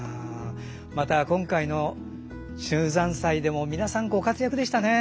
また今回の秀山祭でも皆さんご活躍でしたね。